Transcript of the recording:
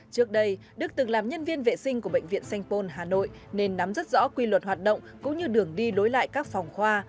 trước đây đức từng làm nhân viên vệ sinh của bệnh viện sanh pôn hà nội nên nắm rất rõ quy luật hoạt động cũng như đường đi lối lại các phòng khoa